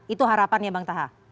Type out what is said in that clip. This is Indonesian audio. itu harapan ya bang taha